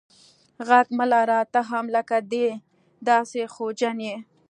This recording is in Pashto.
ږغ مه لره ته هم لکه دی داسي خوجن یې.